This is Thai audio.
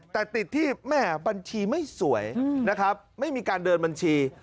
แต่ติดที่แม่บัญชีไม่สวยนะครับไม่มีการเดินบัญชี